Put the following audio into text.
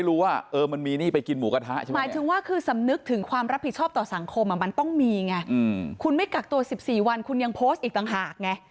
คุณไม่กักตัวสี่สี่วันคุณยังโพสต์อีกต่างหาก